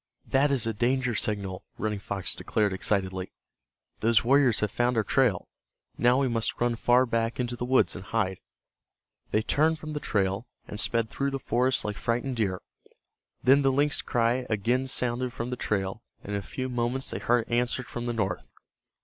"That is a danger signal," Running Fox declared, excitedly. "Those warriors have found our trail. Now we must run far back into the woods and hide." They turned from the trail, and sped through the forest like frightened deer. Then the lynx cry again sounded from the trail, and in a few moments they heard it answered from the north.